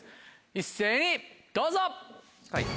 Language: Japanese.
一斉にどうぞ！